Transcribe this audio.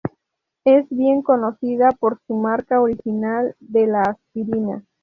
Es bien conocida por su marca original de la aspirina.